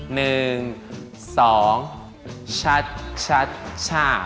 หนึ่งสองชัดชัดช่า